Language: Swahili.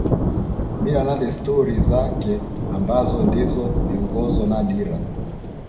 Mila na desturi zake ambazo ndizo miongozo na dira